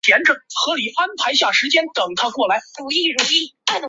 钫的电离能比铯稍高。